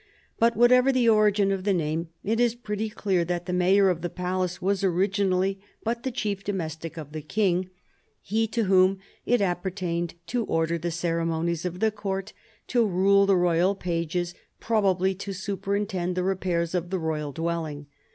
But whatever the origin of the name, it is pretty clear that the mayor of the palace was originally but the chief domestic of the king, he to whom it apper tained to order the ceremonies of the court, to rule tlie royal pages, probably to superintend the repairs of the royal dwelling.